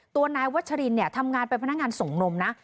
ตัวนายวัชรินเนี่ยทำงานเป็นพนักงานส่งนมนะ